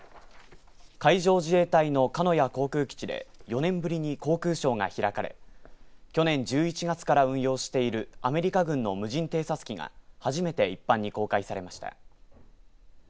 海上自衛隊の鹿屋航空基地で４年ぶりに航空ショーが開かれ去年１１月から運用しているアメリカ軍の無人偵察機が初めて一般に公開されました。